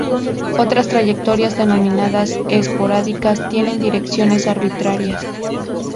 Otras trayectorias denominadas esporádicas, tienen direcciones arbitrarias.